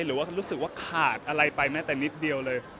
หรือว่ารู้สึกว่าขาดอะไรไปแม้แต่นิดเดียวเลย